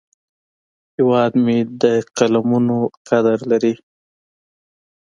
هیواد مې د قلمونو قدر لري